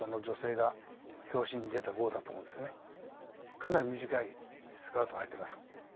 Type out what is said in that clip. かなり短いスカートはいてます。